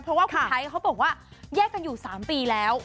เพราะว่าคุณไทยเขาบอกว่าแยกกันอยู่๓ปีแล้ว